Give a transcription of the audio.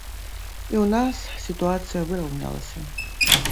І ў нас сітуацыя выраўнялася.